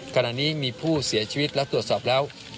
ขณะนี้มีผู้เสียชีวิตและตรวจสอบแล้ว